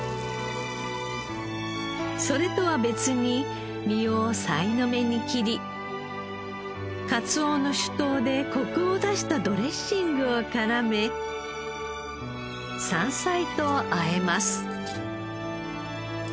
それとは別に身をさいの目に切りかつおの酒盗でコクを出したドレッシングを絡め山菜とあえます。